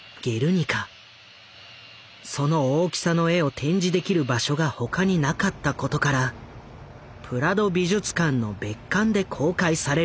その大きさの絵を展示できる場所が他になかったことからプラド美術館の別館で公開されることになる。